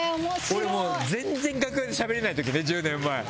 俺、もう全然楽屋でしゃべれない時で１０年前。